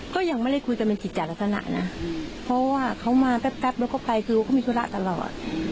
ก็ยังไม่ได้คุยกันเป็นกิจจัดลักษณะนะเพราะว่าเขามาแป๊บแล้วก็ไปคือเขามีธุระตลอด